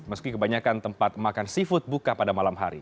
meski kebanyakan tempat makan seafood buka pada malam hari